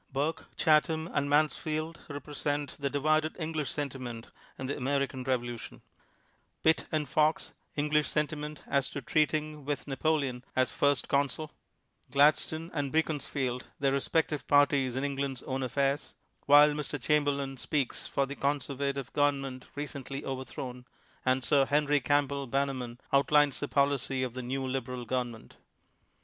Burke, Chatham and ]\Iansfield represent the divided English sentiment in the American Rev olution; Pitt and Fox, English sentiment as to treating with Napoleon as First Consul; Glad stone and Beaconsfield, their respective parties in England's own affairs; while Mr. Chamber lain speaks for the conservative government re cently overthrown; and Sir Henry Campbell Bannerman outlines the policy of the new Lib eral government.